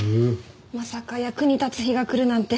まさか役に立つ日が来るなんて。